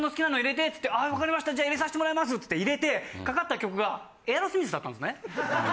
「わかりましたじゃあ入れさせてもらいます」つって入れてかかった曲がエアロスミスだったんですね。